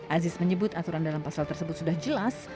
aziz menyebut aturan dalam pasal tersebut sudah jelas